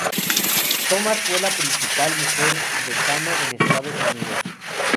Thomas fue la primera mujer decano en Estados Unidos.